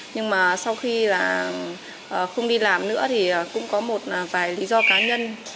nhưng mà sau khi không đi làm nữa cũng có một vài lý do cá nhân